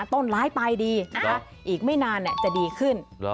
ต้นร้ายปลายดีอีกไม่นานจะดีขึ้น